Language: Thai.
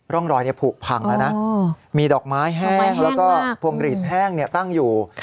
ร่องรอยผูกพังแล้วนะมีดอกไม้แห้งแล้วก็พวงหลีดแห้งตั้งอยู่